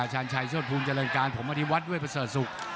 ชาญชัยโชธภูมิเจริญการผมอธิวัฒน์ด้วยประเสริฐศุกร์